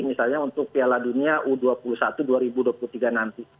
misalnya untuk piala dunia u dua puluh satu dua ribu dua puluh tiga nanti